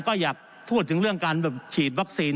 ก็อยากพูดถึงเรื่องการฉีดวัคซีน